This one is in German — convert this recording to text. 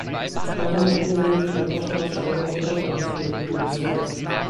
Kleinere Probleme können oftmals schneller durch andere Methoden gelöst werden.